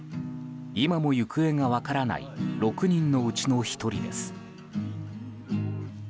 今も行方が分からない６人のうちの１人です。